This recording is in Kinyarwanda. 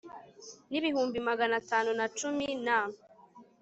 n ibihumbi magana atanu na cumi na